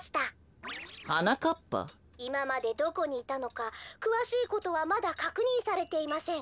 「いままでどこにいたのかくわしいことはまだかくにんされていません」。